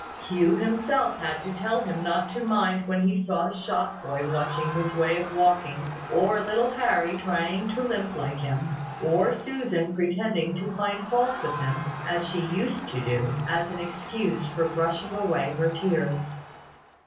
Hugh himself had to tell him not to mind when he saw the shop boy watching his way of walking, or little Harry trying to limp like him, or Susan pretending to find fault with him, as she used to do, as an excuse for brushing away her tears.